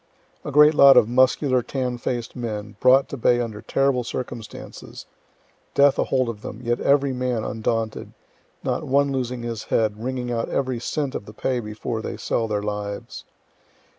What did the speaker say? A great lot of muscular, tan faced men, brought to bay under terrible circumstances death ahold of them, yet every man undaunted, not one losing his head, wringing out every cent of the pay before they sell their lives.